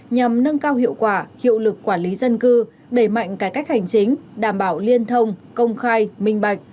nhằm nâng cao hiệu quả hiệu lực quản lý dân cư đẩy mạnh cải cách hành chính đảm bảo liên thông công khai minh bạch